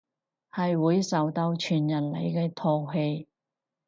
係會受到全人類嘅唾棄